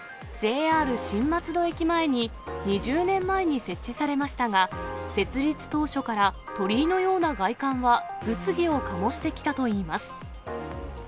ＪＲ新松戸駅前に２０年前に設置されましたが、設立当初から鳥居のような外観は物議を醸してきたといいます。